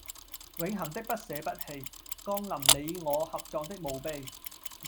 永恆的不捨不棄降臨你我合葬的墓碑